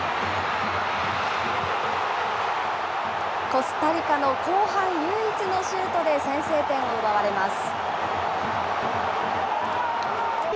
コスタリカの後半唯一のシュートで先制点を奪われます。